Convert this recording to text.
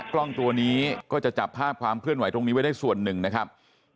กล้องตัวนี้ก็จะจับภาพความเคลื่อนไหวตรงนี้ไว้ได้ส่วนหนึ่งนะครับ